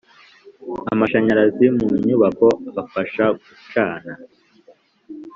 amashanyarazi mu nyubako afasha gucana.